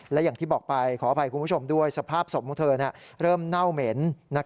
และอย่างที่บอกไปขออภัยคุณผู้ชมด้วยสภาพศพของเธอเริ่มเน่าเหม็น